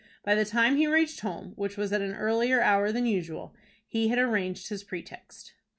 By the time he reached home, which was at an earlier hour than usual, he had arranged his pretext.